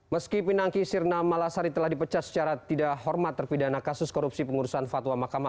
meski pinangki sirna malasari telah dipecat secara tidak hormat terpidana kasus korupsi pengurusan fatwa mahkamah